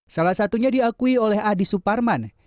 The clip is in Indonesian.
salah satunya diakui oleh adi suparman